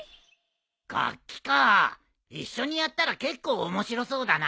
楽器か一緒にやったら結構面白そうだな。